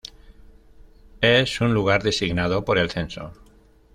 Es un lugar designado por el censo.